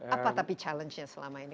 apa tapi challenge nya selama ini